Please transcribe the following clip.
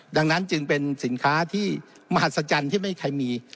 ดังนั้นจึงเป็นสินค้าที่มหัศจรรย์ที่ไม่เคยมี